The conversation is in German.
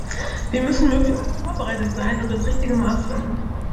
Wir müssen möglichst gut vorbereitet sein und das richtige Maß finden.